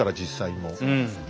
そうですね。